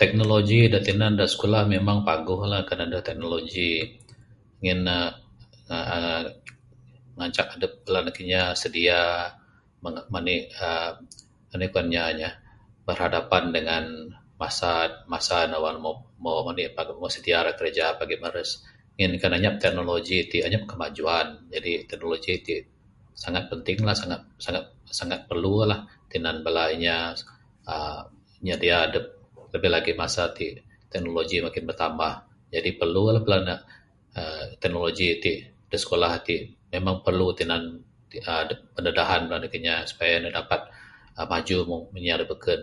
Teknologi dak tinan dak sikulah memang paguhlah kan adeh teknologi ngin ne aaa ngancak adep bala anak kinya sedia menik aaa enih kuan inya nyah berhadapan dengan masa-masa ne wang moh meni sedia kerja pagi meres. Ngin kan inyap teknologi ti inyap kemajuan jaji teknologi ti sangat pentinglah sangat-sangat perlulah tinan bala inya aaa nyedia adep lebih lagi masa ti teknologi makin betambah jaji perlulah bala ne aaa teknologi ti dak sikulah ti memang perlu tinan aaa pendedahan bala anak kinya supaya dapat maju mung inya dak beken.